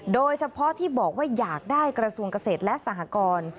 โดยเฉพาะที่บอกว่าอยากได้กระทรวงเกษตรและสหกร